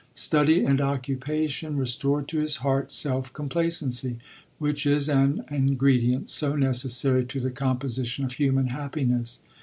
Study and occupation restored to his heart self corn placency, which is an ingredient so ne cessary to the composition of human happiness.